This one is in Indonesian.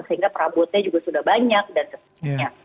sehingga perabotnya juga sudah banyak dan sebagainya